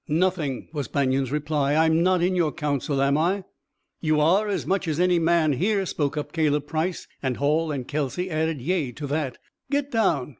"Nothing!" was Banion's reply. "I'm not in your council, am I?" "You are, as much as any man here," spoke up Caleb Price, and Hall and Kelsey added yea to that. "Get down.